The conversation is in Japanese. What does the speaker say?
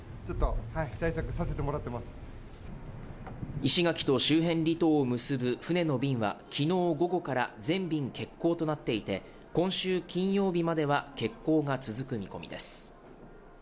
石垣と周辺離島を結ぶ船の便は、きのう午後から全便欠航となっていて、今週金曜日までは欠航が続く見込みです。